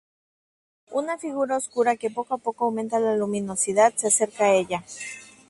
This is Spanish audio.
Una figura oscura que poco a poco aumenta la luminosidad se acerca a ella.